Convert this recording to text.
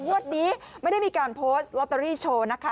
งวดนี้ไม่ได้มีการโพสต์ลอตเตอรี่โชว์นะคะ